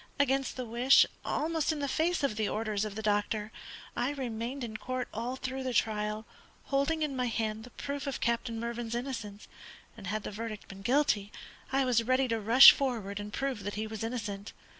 Against the wish, almost in the face of the orders of the doctor, I remained in court all through the trial, holding in my hand the proof of Captain Mervyn's innocence, and had the verdict been 'guilty' I was ready to rush forward and prove that he was innocent.